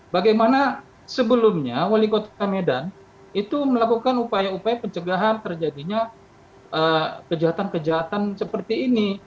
bagaimana sebelumnya wali kota medan itu melakukan upaya upaya pencegahan terjadinya kejahatan kejahatan seperti ini